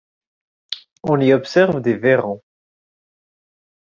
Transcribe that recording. On y observe des vairons.